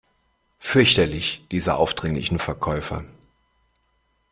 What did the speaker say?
Fürchterlich, diese aufdringlichen Verkäufer!